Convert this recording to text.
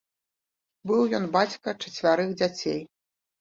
Быў ён бацька чацвярых дзяцей.